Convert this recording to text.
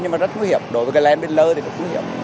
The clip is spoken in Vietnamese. nhưng mà rất nguy hiểm đối với cái len bên lơ thì rất nguy hiểm